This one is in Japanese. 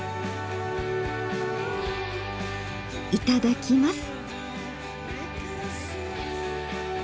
いただきます。